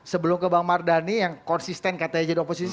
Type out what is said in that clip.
sebelum ke bang mardhani yang konsisten katanya jadi oposisi